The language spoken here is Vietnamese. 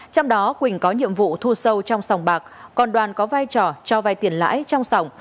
trong đó quỳnh có nhiệm vụ thu sâu trong sòng bạc còn đoàn có vai trò cho vay tiền lãi trong sòng